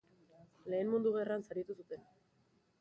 Lehen Mundu Gerran zauritu zuten.